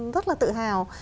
rất là tự hào